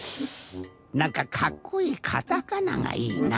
なんかかっこいいカタカナがいいな。